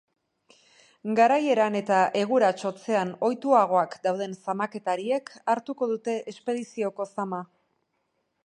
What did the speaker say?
Garaieran eta egurats hotzean ohituagoak dauden zamaketariek hartuko dute espedizioko zama.